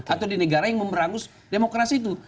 atau di negara yang mau berangus demokrasi itu